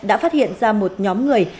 đã phát hiện ra một nhóm người